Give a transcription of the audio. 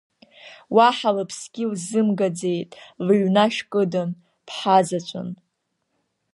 Уаҳа лыԥсгьы лзымгаӡеит, лыҩнашә кыдын, ԥҳазаҵәын.